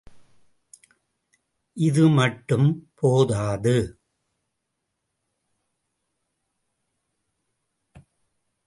இது மட்டும் போதாது.